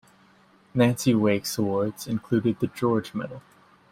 Nancy Wake's awards included the George Medal.